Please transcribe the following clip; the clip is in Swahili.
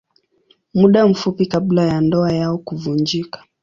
Muda mfupi kabla ya ndoa yao kuvunjika.